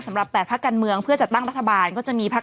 สำหรับแปดภาคการเรืองเพื่อจัดตั้งรัฐบาลก็จะมีภาค